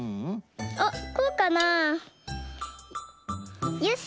あっこうかな？よし！